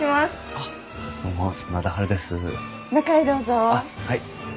あっはい。